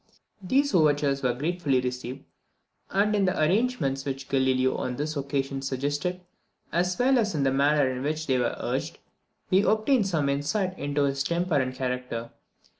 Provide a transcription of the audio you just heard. These overtures were gratefully received; and in the arrangements which Galileo on this occasion suggested, as well as in the manner in which they were urged, we obtain some insight into his temper and character.